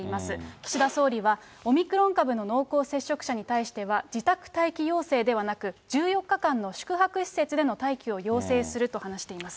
岸田総理はオミクロン株の濃厚接触者に対しては、自宅待機要請ではなく、１４日間の宿泊施設での待機を要請すると話しています。